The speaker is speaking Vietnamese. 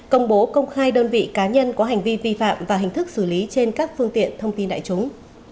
công bố công khai đơn vị cá nhân có hành vi vi phạm và hình thức xử lý trên các phương tiện thông tin đại chúng